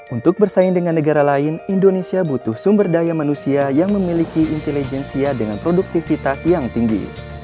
untuk bersaing dengan negara lain indonesia butuh sumber daya manusia yang memiliki intelijensia dengan produktivitas yang tinggi